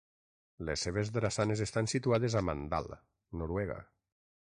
Les seves drassanes estan situades a Mandal, Noruega.